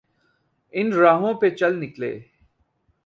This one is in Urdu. ان راہوں پہ چل نکلے۔